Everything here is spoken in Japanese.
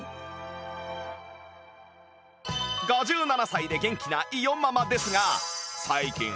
５７歳で元気な伊代ママですが